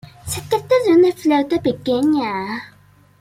Se trata de una flauta pequeña.